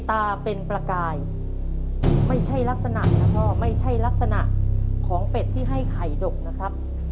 ตาเป็นประกายไม่ใช่ลักษณะนะพ่อไม่ใช่ลักษณะของเป็ดที่ให้ไข่ดกนะครับ